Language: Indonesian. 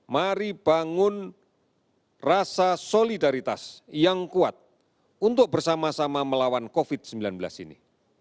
mari bangun rasa solidaritas yang kuat untuk bersama sama melawan covid sembilan belas ini